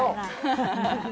ハハハハ！